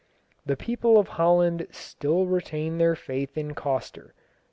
The people of Holland still retain their faith in Coster.